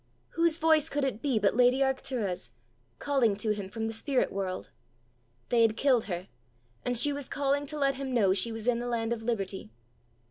Whose voice could it be but lady Arctura's, calling to him from the spirit world! They had killed her, and she was calling to let him know she was in the land of liberty!